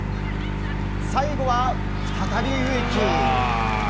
最後は再び植木。